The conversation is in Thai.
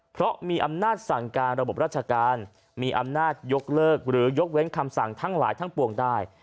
เพราะมีอำนาจสั่งการระบบราชการมีอำนาจยกเลิกหรือยกเว้นคำสั่งทั้งหลายทั้งปวงได้